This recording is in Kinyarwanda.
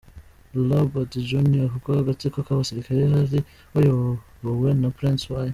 Tolbert Jr kuko agatsiko k’abasirikare bari bayobowe na Prince Y.